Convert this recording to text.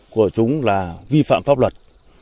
của chúng là vi phạm pháp luật